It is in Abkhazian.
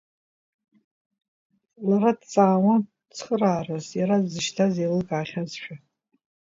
Лара дҵаауан, цхыраарас иара дзышьҭаз еилылкаахьазшәа.